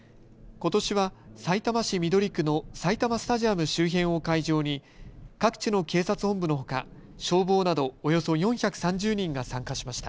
ことしはさいたま市緑区の埼玉スタジアム周辺を会場に各地の警察本部のほか消防などおよそ４３０人が参加しました。